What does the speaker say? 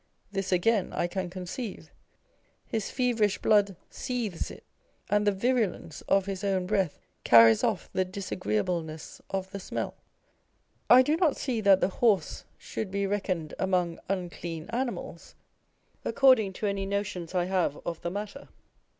This again I can conceive. His feverish blood seethes it, and the virulence of his own breath carries off the disagreeableness of the smell. I do not see that the horse should be reckoned among unclean animals, according to any notions I have of the matter.